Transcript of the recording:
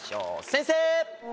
先生！